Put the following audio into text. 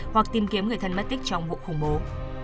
hoặc tìm kiếm người thân mất tích trong vụ khủng bố